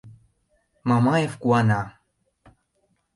— Мамаев куана.